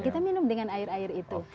kita minum dengan air air itu